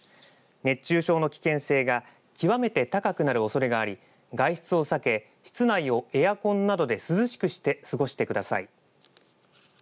熱中症の危険性が極めて高くなるおそれがあり外出を避け室内をエアコンなどで涼しくして過ごしてください。